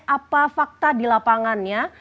apa fakta di lapangannya